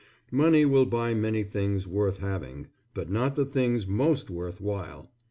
Money will buy many things worth having, but not the things most worth while.